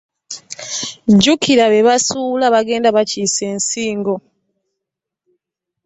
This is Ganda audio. Jjukira be baasuula baagenda bakiise ensingo.